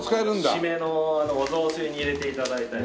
締めのお雑炊に入れて頂いたり。